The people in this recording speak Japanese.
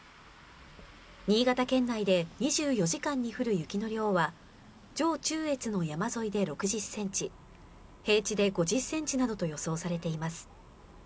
新潟県内で２４時間に降る雪の量は、上中越の山沿いで６０センチ、平地で５０センチなどと予想されています。